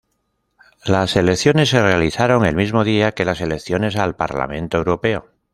Las elecciones se realizaron el mismo día que las elecciones al Parlamento Europeo.